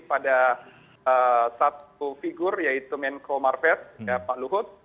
pada satu figur yaitu menko marves pak luhut